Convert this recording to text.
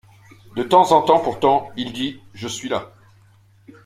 De temps en temps pourtant il dit: je suis là.